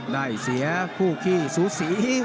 ได้เสียคู่ขี้สูสี